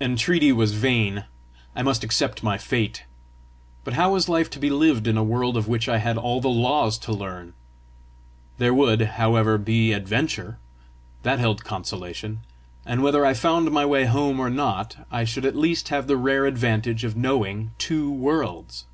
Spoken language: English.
Entreaty was vain. I must accept my fate! But how was life to be lived in a world of which I had all the laws to learn? There would, however, be adventure! that held consolation; and whether I found my way home or not, I should at least have the rare advantage of knowing two worlds!